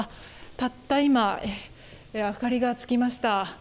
たった今、明かりがつきました。